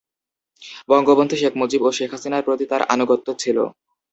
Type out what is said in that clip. বঙ্গবন্ধু শেখ মুজিব ও শেখ হাসিনার প্রতি তার আনুগত্য ছিল।